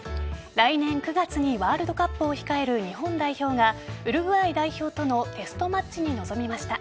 来年９月にワールドカップを控える日本代表がウルグアイ代表とのテストマッチに臨みました。